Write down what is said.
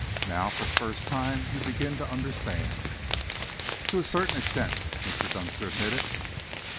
Now, for the first time, you begin to understand." "To a certain extent," Mr. Dunster admitted.